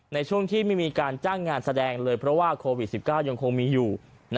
ในช่วงที่ไม่มีการจ้างงานแสดงเลยเพราะว่าโควิด๑๙ยังคงมีอยู่